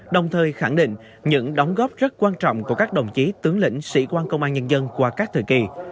đồng thời khẳng định những đóng góp rất quan trọng của các đồng chí tướng lĩnh sĩ quan công an nhân dân qua các thời kỳ